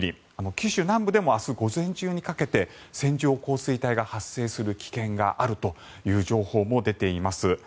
九州南部でも明日午前中にかけて線状降水帯が発生する危険があるという情報も出ています。